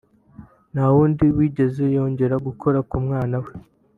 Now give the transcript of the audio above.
nta wundi wigeze yongera gukora ku mwana we